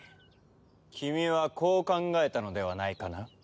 君はこう考えたのではないかな？